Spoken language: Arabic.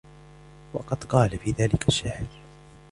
وَقَدْ قَالَ فِي ذَلِكَ الشَّاعِرُ